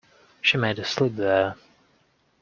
She made a slip there.